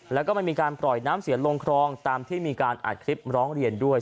แล้วก็ไม่มีการปล่อยน้ำเสียลงครองตามที่มีการอัดคลิปร้องเรียนด้วย